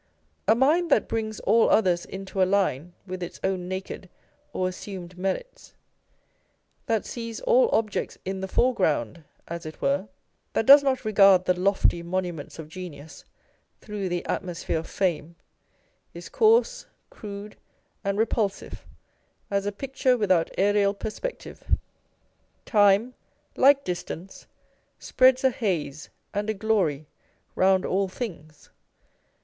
A mind that brings all others into a line with its own naked or assumed merits, that sees all objects in the foreground as it were, that does not regard the lofty monuments of genius through the atmosphere of fame, is coarse, crude, and repulsive as a picture without aerial perspective. Time, like distance, spreads a haze and a glory round all things.